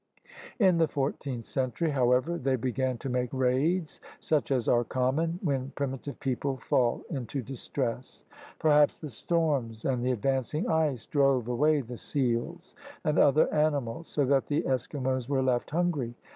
In the fourteenth century, however, they began to make raids such as are common when primitive people fall into distress. Perhaps the storms and the advancing ice drove away the seals and other animals, so that the Eski mos were left hungry.